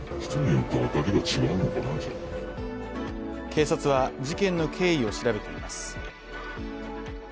警察は事件の経緯を調べています。